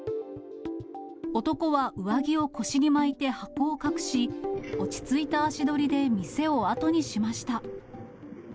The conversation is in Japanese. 男は上着を腰に巻いて箱を隠し、落ち着いた足取りで店を後にしました。